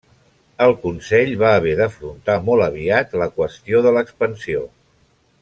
El Consell va haver d'afrontar molt aviat la qüestió de l'expansió.